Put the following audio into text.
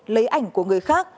lấy ảnh của người khác